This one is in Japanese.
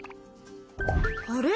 あれ？